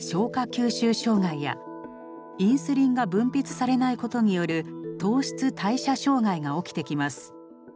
吸収障害やインスリンが分泌されないことによる糖質代謝障害が起きてきます。